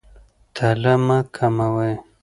تله مه کموئ.